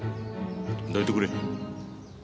どいてくれ。